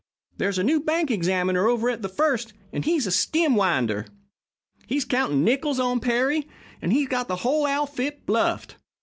There's a new bank examiner over at the First, and he's a stem winder. He's counting nickles on Perry, and he's got the whole outfit bluffed.